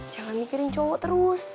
jangan mikirin cowok terus